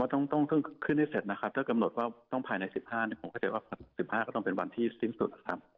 ว่าต้องขึ้นให้เสร็จถ้ากำหนดว่าต้องภายใน๑๕เนี่ยขั้น๑๕ก็ต้องเป็นวันที่ซิ้มสุด